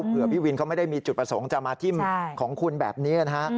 พี่วินเขาไม่ได้มีจุดประสงค์จะมาทิ้มของคุณแบบนี้นะฮะ